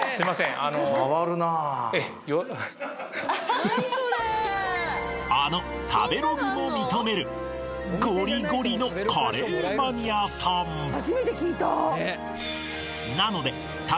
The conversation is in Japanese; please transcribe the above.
あのあの食べログも認めるゴリゴリのカレーマニアさんなので食べ